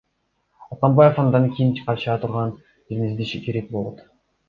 Атамбаев андан кийин кача турган жерин издеши керек болот.